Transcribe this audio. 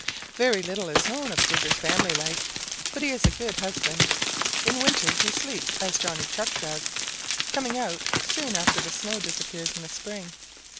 "Very little is known of Digger's family life, but he is a good husband. In winter he sleeps as Johnny Chuck does, coming out soon after the snow disappears in the spring.